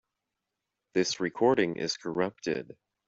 This recording is corrupted.